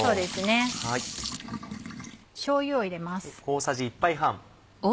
しょうゆを入れます。